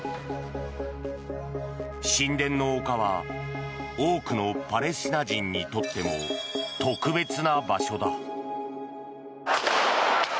神殿の丘は多くのパレスチナ人にとっても特別な場所だ。